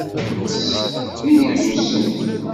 Arraw-nnes d ineglusen.